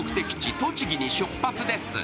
栃木に出発です。